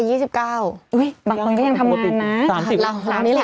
อุ๊ยบางคนก็ยังทำงานนะ